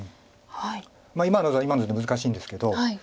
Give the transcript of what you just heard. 今の図は今の図で難しいんですけど。